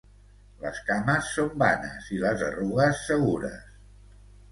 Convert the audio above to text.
Les cames són vanes i les arrugues segures.